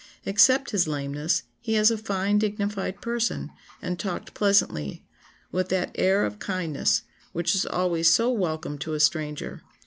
Except his lameness, he has a fine dignified person, and talked pleasantly, with that air of kindness which is always so welcome to a stranger....